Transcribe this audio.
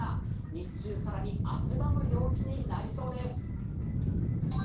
日中更に汗ばむ陽気になりそうです。